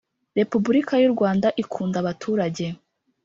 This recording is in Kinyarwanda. Repubulika y’ u Rwanda ikunda abaturage.